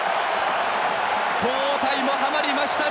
交代もはまりました。